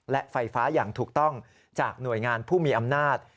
และไฟฟ้าอย่างถูกต้องจากหน่วยงานผู้มีอำนาจ